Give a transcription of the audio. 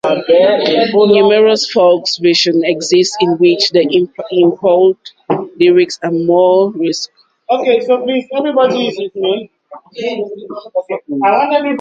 Numerous folk versions exist in which the implied lyrics are more risque.